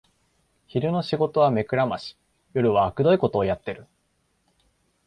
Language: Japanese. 昼の仕事は目くらまし、夜はあくどいことをやってる